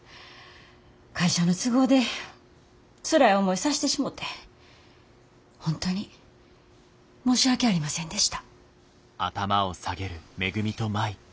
会社の都合でつらい思いさしてしもて本当に申し訳ありませんでした。